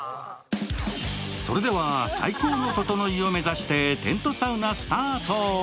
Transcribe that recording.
それでは最高のととのいを目指してテントサウナスタート。